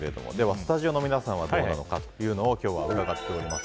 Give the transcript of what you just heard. スタジオの皆さんはどうかというのを今日は伺ってまいります。